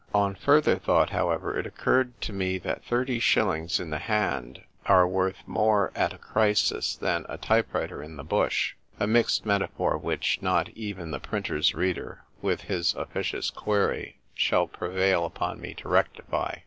On further thought, however, it occurred to me that thirty shillings in the hand are worth more at a crisis than a type writer in the bush — a mixed metaphor which not even the printer's reader with his officious query shall prevail upon me to rectify.